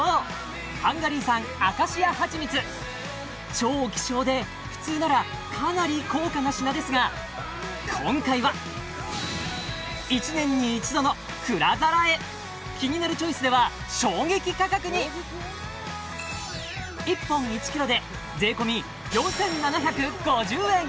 超希少で普通ならかなり高価な品ですが今回は「キニナルチョイス」では衝撃価格に１本１ｋｇで税込４７５０円